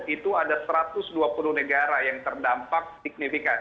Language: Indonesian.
itu ada satu ratus dua puluh negara yang terdampak signifikan